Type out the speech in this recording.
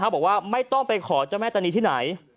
บอกว่าไม่ต้องไปขอเจ้าแม่ตานีที่ไหน